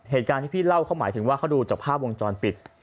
เหตุการณ์ที่พี่เล่าเขาหมายถึงว่าเขาดูจากภาพวงจรปิด